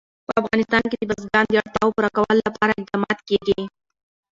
په افغانستان کې د بزګان د اړتیاوو پوره کولو لپاره اقدامات کېږي.